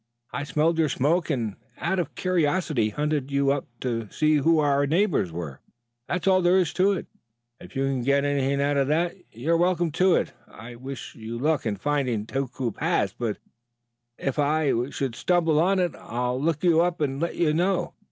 I smelled your smoke and out of curiosity hunted you up to see who our neighbors were. That's all there is to it. If you can get anything out of that you are welcome to it. I wish you luck in finding Taku Pass. If I should stumble on it, I'll look you up and let you know.